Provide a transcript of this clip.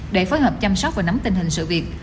để phối hợp chăm sóc và nắm tình hình sự việc